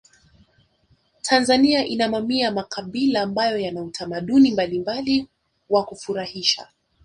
tanzania ina mamia ya makabila ambayo Yana utamaduni mbalimbali wa kufurahisha